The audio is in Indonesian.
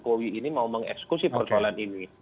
pak jokowi ini mau mengeksekusi persoalan ini